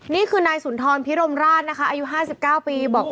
นี่คือนายสุนทรพิรมราชนะคะอายุ๕๙ปีบอก